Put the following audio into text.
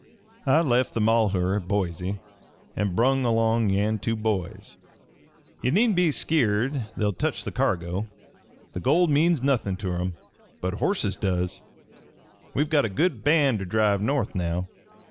"I left the Malheur at Boise, an' brung along yan two boys. Ye needn't be a skeered they'll touch the cargo. The gold means nothin' ter 'em, but horses does. We've got a good band ter drive north now.